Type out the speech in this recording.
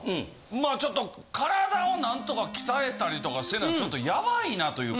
まあちょっと体をなんとか鍛えたりとかせなちょっとヤバいなというか。